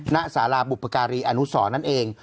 ณสาราบุปการีอนุสรนั่นเอง